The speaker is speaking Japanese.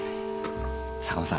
坂間さん。